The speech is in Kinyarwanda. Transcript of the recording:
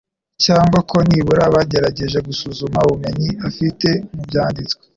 cyangwa ko nibura bagerageje gusuzuma ubumenyi afite mu Byanditswe.